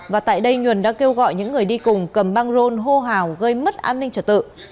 và tại đây nhuần đã kêu gọi những người đi cùng cầm băng rôn hô hào gây mất an ninh trật tự